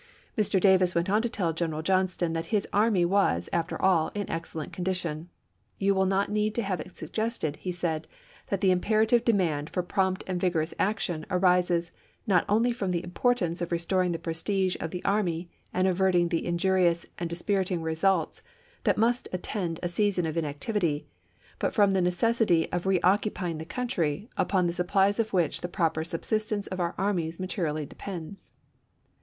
Mr. Davis went on to tell General Johnston that his army was, after all, in excellent condition. "You will not need to have it suggested," he said, " that the imperative demand for prompt and vigorous action arises not only from the importance of restoring the prestige of the army and averting the injurious and dispiriting results that must attend a season of inactivity, but from the necessity of reoccupying the country, upon the supplies of which the proper subsistence of our armies materially depends."